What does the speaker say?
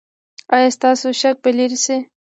ایا ستاسو شک به لرې شي؟